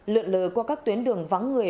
lượn lờ qua các tuyến đường vắng người